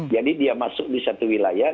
jadi dia masuk di satu wilayah